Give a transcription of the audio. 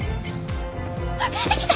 出てきた！